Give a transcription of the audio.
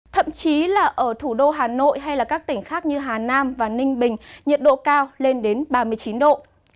thậm chí là ở thủ đô hà nội hay các tỉnh khác như hà nam và ninh bình nhiệt độ cao lên đến ba mươi chín độ